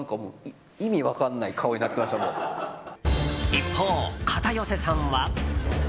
一方、片寄さんは。